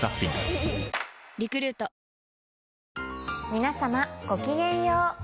・皆さまごきげんよう。